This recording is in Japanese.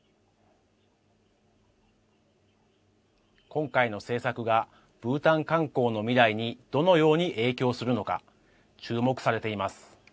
今回の政策がブータン観光の未来にどのように影響するのか注目されています。